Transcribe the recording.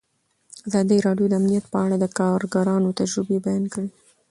ازادي راډیو د امنیت په اړه د کارګرانو تجربې بیان کړي.